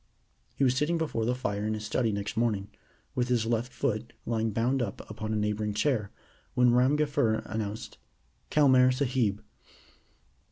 He was sitting before the fire in his study next morning, with his left foot lying bound up upon a neighboring chair, when Ram Gafur announced "Kelmare Sahib."